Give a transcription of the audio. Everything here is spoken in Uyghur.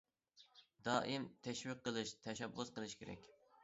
دائىم تەشۋىق قىلىش، تەشەببۇس قىلىش كېرەك.